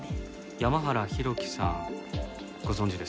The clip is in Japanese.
山原浩喜さんご存じですか？